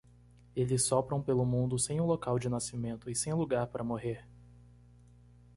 Eles sopram pelo mundo sem um local de nascimento e sem lugar para morrer.